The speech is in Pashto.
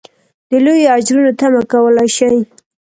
د لویو اجرونو تمه کولای شي.